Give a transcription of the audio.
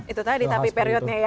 itu tadi tapi periodnya ya